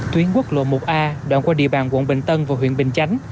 tuyến quốc lộ một a đoạn qua địa bàn quận bình tân và huyện bình chánh